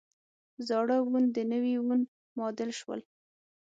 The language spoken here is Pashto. زاړه وون د نوي وون معادل شول.